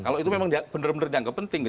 kalau itu memang bener bener dianggap penting